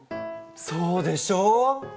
そうでしょう？